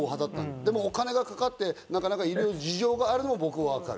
でもお金がかかって、なかなかいろいろ事情があるのもわかる。